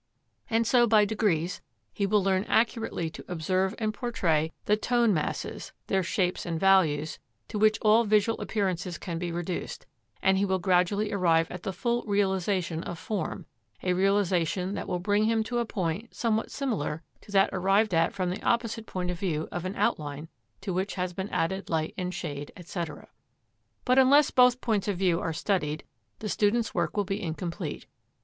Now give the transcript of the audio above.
And so by degrees he will learn accurately to observe and portray the tone masses (their shapes and values) to which all visual appearances can be reduced; and he will gradually arrive at the full realisation of form a realisation that will bring him to a point somewhat similar to that arrived at from the opposite point of view of an outline to which has been added light and shade, &c. But unless both points of view are studied, the student's work will be incomplete.